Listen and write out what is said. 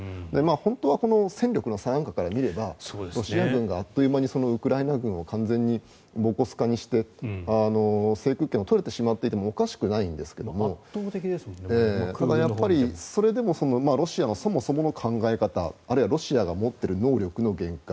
本当は戦力の差から見ればロシア軍があっという間にウクライナ軍をボコスカにして制空権を取れてしまってもおかしくないんですがやっぱり、それでもロシアのそもそもの考え方あるいはロシアが持っている能力の限界